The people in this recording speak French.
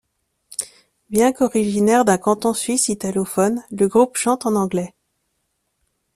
Bien qu'originaire d'un canton suisse italophone, le groupe chante en anglais.